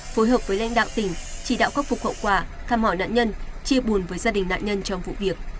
phối hợp với lãnh đạo tỉnh chỉ đạo khắc phục hậu quả thăm mỏ nạn nhân chia buồn với gia đình nạn nhân trong vụ việc